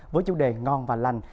với chủ đề ngon và lành